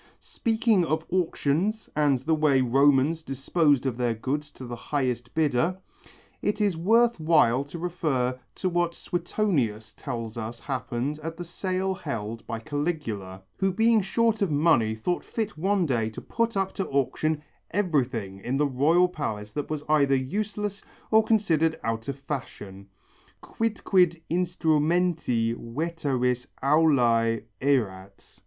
Speaking of auctions and the way Romans disposed of their goods to the highest bidder, it is worth while to refer to what Suetonius tells us happened at the sale held by Caligula, who being short of money thought fit one day to put up to auction everything in the royal palace that was either useless or considered out of fashion, quidquid instrumenti veteris aulæ erat.